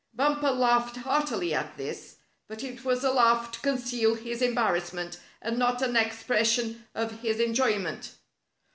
Bumper laughed heartily at this, but it was a laugh to conceal his embarrassment and not an expression of his enjoyment.